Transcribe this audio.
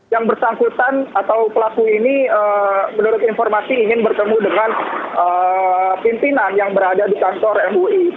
yang bersangkutan atau pelaku ini menurut informasi ingin bertemu dengan pimpinan yang berada di kantor mui